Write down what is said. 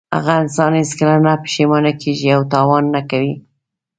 هغه انسان هېڅکله نه پښېمانه کیږي او تاوان نه کوي.